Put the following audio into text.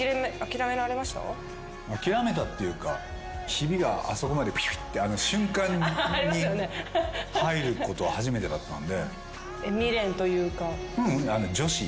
諦めたっていうかひびがあそこまでビビッて瞬間に入ることは初めてだったんで。